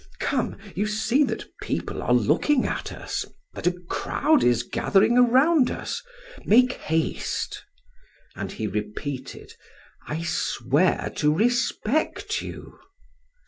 Come, you see that people are looking at us, that a crowd is gathering around us. Make haste!" And he repeated, "I swear to respect you."